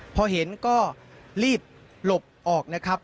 พอเห็นก็รีบหลบออกนะครับ